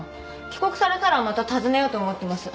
帰国されたらまた訪ねようと思ってます。